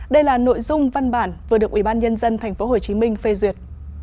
đây là nội dung văn bản vừa được ủy ban nhân dân thành phố hồ chí minh phê duyệt